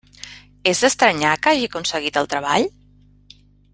És d'estranyar que hagi aconseguit el treball?